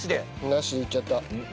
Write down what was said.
なしでいっちゃった。